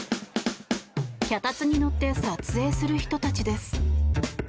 脚立に乗って撮影する人たちです。